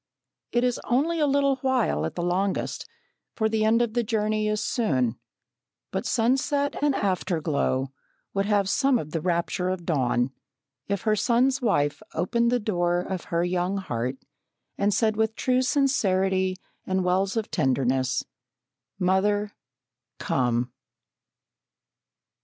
It is only a little while at the longest, for the end of the journey is soon, but sunset and afterglow would have some of the rapture of dawn, if her son's wife opened the door of her young heart and said with true sincerity and wells of tenderness: "Mother Come!"